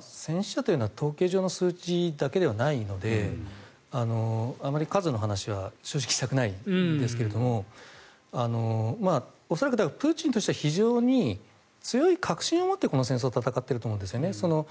戦死者というのは統計上の数字だけじゃないのであまり数の話は正直、したくないですけれども恐らく、プーチンとしては非常に強い確信を持ってこの戦争を戦っていると思うんですね。